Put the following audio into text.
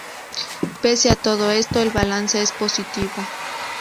Pese a todo esto el balance es positivo.